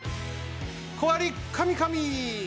小割カミカミ！